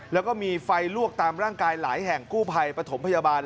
แล้วก็มีไฟลวกตามร่างกายหลายแห่งกู้ภัยปฐมพยาบาล